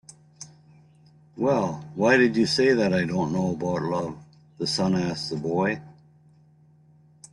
"Well, why did you say that I don't know about love?" the sun asked the boy.